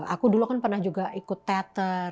aku dulu kan pernah juga ikut teater